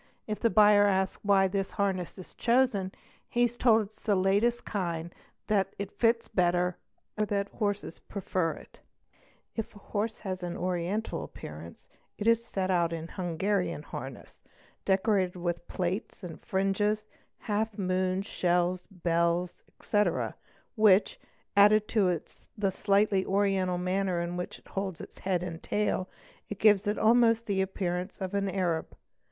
If the buyer asks why this ness is chosen, he is told it is the latest kind, that it fits better, or that rses prefer it. 800 CHEATING AND FRAUD If the horse has an oriental appearance, it is set out in Hungarian | harness, decorated with plaits and fringes, half moons, shells, bells, etc., which, added to the slightly oriental manner in which it holds its head' and tail, gives it almost the appearance of an Arab.